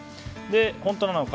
本当なのか